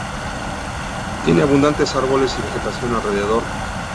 Tiene abundantes árboles y vegetación alrededor.